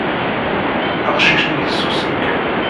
Aqcic-nni yessusem kan.